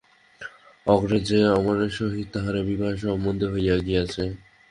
অগ্রেই যে অমরের সহিত তাহার বিবাহের সম্বন্ধ হইয়া গিয়াছে।